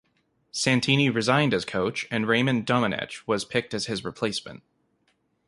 Santini resigned as coach and Raymond Domenech was picked as his replacement.